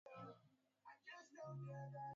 Ameelezea wasi wasi wa umoja huo